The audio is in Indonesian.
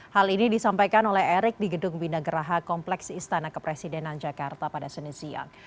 hal ini disampaikan oleh erick di gedung bina geraha kompleks istana kepresidenan jakarta pada senin siang